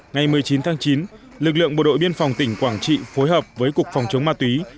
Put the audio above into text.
ngày một mươi chín tháng chín lực lượng bộ đội biên phòng tỉnh quảng trị phối hợp với cục phòng chống ma túy